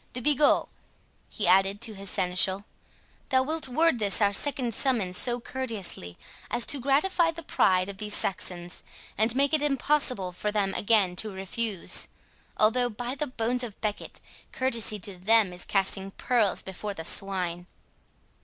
—De Bigot," he added to his seneschal, "thou wilt word this our second summons so courteously, as to gratify the pride of these Saxons, and make it impossible for them again to refuse; although, by the bones of Becket, courtesy to them is casting pearls before swine."